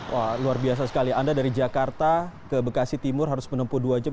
wah luar biasa sekali anda dari jakarta ke bekasi timur harus menempuh dua jam